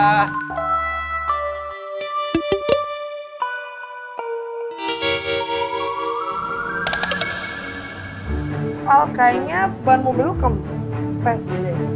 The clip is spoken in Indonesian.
oh kayaknya ban mobil lu ke pes